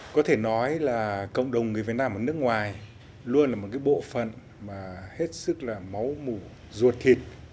có thể nói là cộng đồng người việt nam ở nước ngoài luôn là một bộ phần mà hết sức là máu mù ruột thịt